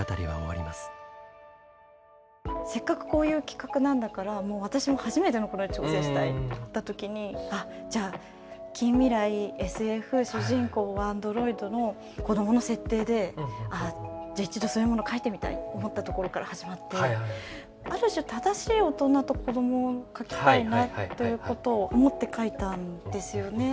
せっかくこういう企画なんだから私も初めてのことに挑戦したいと思った時にじゃあ近未来ＳＦ主人公はアンドロイドの子どもの設定で一度そういうものを書いてみたいと思ったところから始まってある種正しい大人と子どもを書きたいなということを思って書いたんですよね。